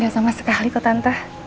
sama sekali kok tante